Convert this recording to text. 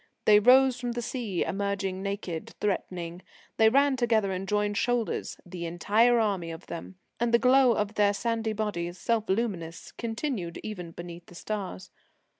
They rose from the sea, emerging naked, threatening. They ran together and joined shoulders, the entire army of them. And the glow of their sandy bodies, self luminous, continued even beneath the stars.